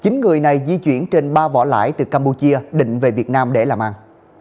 chín người này di chuyển trên ba vỏ lãi từ campuchia định về việt nam để làm ăn